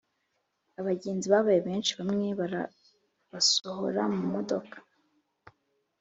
Abagenzi babaye beshi bamwe barabasohora mu modoka